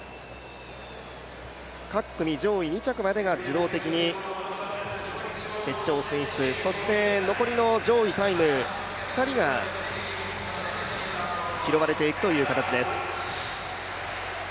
各組上位２着までが自動的に決勝進出、そして残りの上位タイム２人が拾われていくという形です。